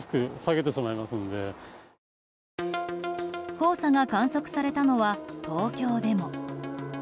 黄砂が観測されたのは東京でも。